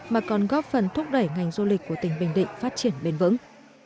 mà còn góp phần thúc đẩy ngành du lịch của tỉnh bình định phát triển bền vững